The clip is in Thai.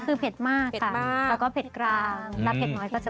แล้วก็เผ็ดกลางแล้วเผ็ดน้อยก็จะเป็น